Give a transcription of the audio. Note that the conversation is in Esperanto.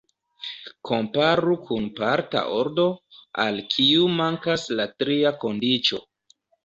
Komparu kun parta ordo, al kiu mankas la tria kondiĉo.